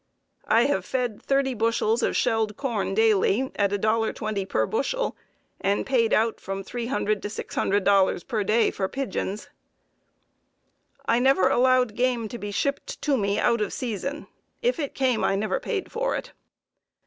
I have fed thirty bushels of shelled corn daily at $1.20 per bushel, and paid out from $300 to $600 per day for pigeons. I never allowed game to be shipped to me out of season; if it came, I never paid for it.